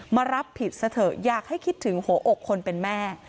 มารับผิดซะเถอะอยากให้คิดถึงหัวอกคนเป็นแม่